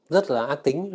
rất là ác tính